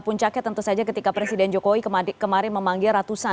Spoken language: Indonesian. puncaknya tentu saja ketika presiden jokowi kemarin memanggil ratusan